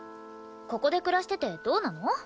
ここで暮らしててどうなの？